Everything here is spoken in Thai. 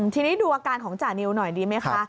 ทีนี้ดูอาการของจานิวหน่อยดีไหมคะ